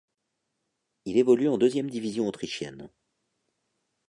Il évolue en deuxième division autrichienne.